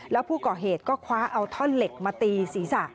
แล้วผู้ก่อเหตุก็คว้าเอาท่อนเหล็กมาตีศีรษะ